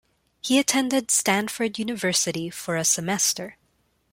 He attended Stanford University for a semester.